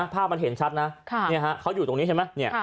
ภาพมันเห็นชัดนะเขาอยู่ตรงนี้ใช่ไหม